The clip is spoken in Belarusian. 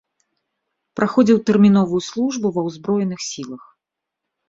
Праходзіў тэрміновую службу ва ўзброеных сілах.